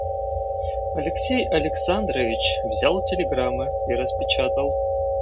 Алексей Александрович взял телеграммы и распечатал.